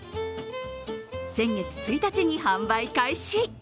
先月１日に販売開始。